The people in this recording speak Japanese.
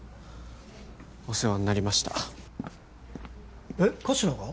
お世話になりましたえっ神志名が！？